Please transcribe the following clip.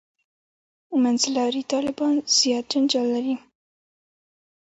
«منځلاري طالبان» زیات جنجال لري.